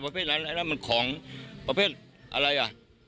ประเภทนั้นมันของประเภทอะไรอ่ะ